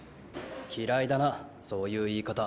嫌いだなそういう言い方。